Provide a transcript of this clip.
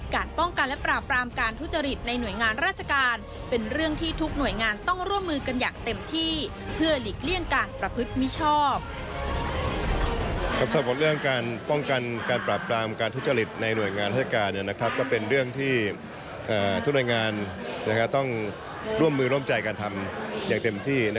การป้องกันและปราบปรามการทุจริตในหน่วยงานราชการเป็นเรื่องที่ทุกหน่วยงานต้องร่วมมือกันอย่างเต็มที่